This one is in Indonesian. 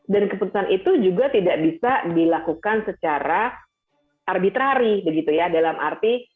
dan keputusan itu juga tidak bisa dilakukan secara arbitrari begitu ya dalam arti